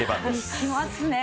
いきますね。